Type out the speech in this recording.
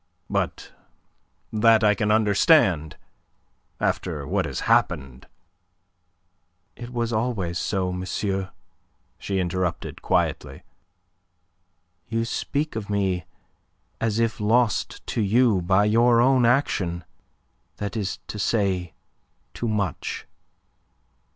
"But that I can understand. After what has happened..." "It was always so, monsieur," she interrupted quietly. "You speak of me as if lost to you by your own action. That is to say too much.